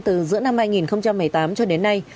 từ giữa năm hai nghìn một mươi tám cho đến nay